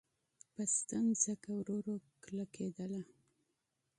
پسته ځمکه ورو ورو کلکېدله.